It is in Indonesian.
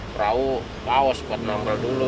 perahu bawa spot nambel dulu